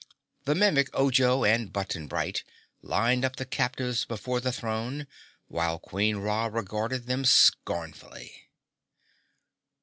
The Mimic Ojo and Button Bright lined up the captives before the throne, while Queen Ra regarded them scornfully.